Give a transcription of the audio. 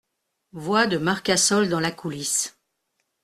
Voix de Marcassol dans la coulisse.